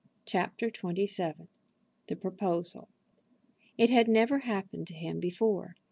CHAPTER XXVII. THE PROPOSAL. It had never happened to him before.